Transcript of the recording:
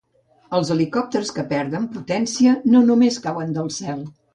Els helicòpters que perden potència no només cauen del cel.